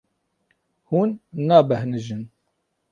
Hûn nabêhnijin.